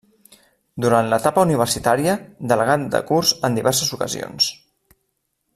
Durant l’etapa universitària, delegat de curs en diverses ocasions.